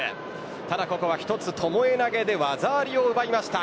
ただここは１つ巴投で技ありを奪いました。